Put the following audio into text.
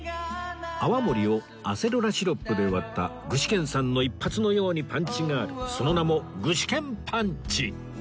泡盛をアセロラシロップで割った具志堅さんの一発のようにパンチがあるその名も「具志堅パンチ」